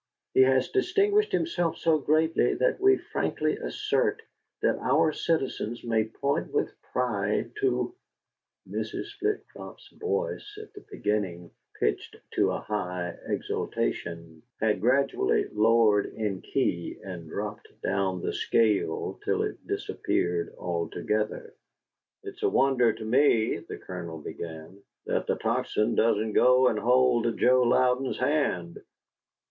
He has distinguished himself so greatly that we frankly assert that our citizens may point with pride to '" Mrs. Flitcroft's voice, at the beginning pitched to a high exultation, had gradually lowered in key and dropped down the scale till it disappeared altogether. "It's a wonder to me," the Colonel began, "that the Tocsin doesn't go and hold Joe Louden's hand."